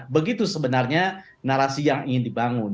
begitu sebenarnya narasi yang ingin dibangun